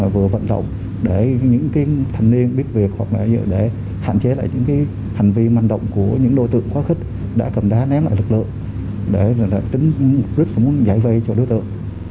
vừa vận động để những thần niên biết việc để hạn chế lại những hành vi man động của những đối tượng quá khích đã cầm đá ném lại lực lượng để tính giải vây cho đối tượng